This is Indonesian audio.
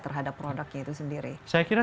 terhadap produknya itu sendiri saya kira